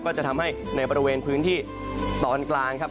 ก็จะทำให้ในบริเวณพื้นที่ตอนกลางครับ